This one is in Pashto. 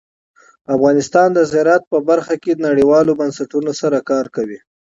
افغانستان د زراعت په برخه کې نړیوالو بنسټونو سره کار کوي.